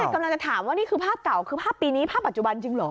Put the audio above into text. กำลังจะถามว่านี่คือภาพเก่าคือภาพปีนี้ภาพปัจจุบันจริงเหรอ